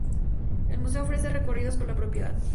El museo ofrece recorridos por la propiedad.